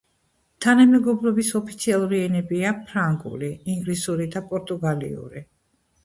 თანამეგობრობის ოფიციალური ენებია ფრანგული, ინგლისური და პორტუგალიური.